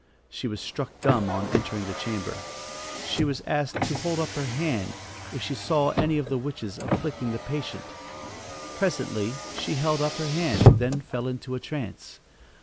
She was struck dumb on entering the chamber. She was asked to hold up her hand, if she saw any of the witches afflicting the patient. Presently she held up her hand, then fell into a trance.